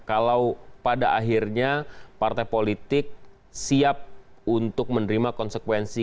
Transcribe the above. kalau pada akhirnya partai politik siap untuk menerima konsekuensi